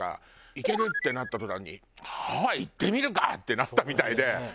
行けるってなった途端にハワイ行ってみるか！ってなったみたいですごいって。